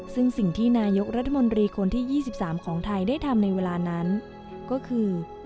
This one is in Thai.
ซึ่งสิ่งที่นายกรัฐมนตรีคนที่๒๓ของไทยได้ทำในเวลานั้นก็คือ